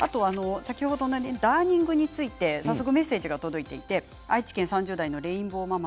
先ほどのダーニングについてメッセージが届いています、愛知県３０代の方からです。